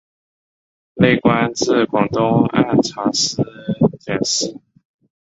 累官至广东按察司佥事。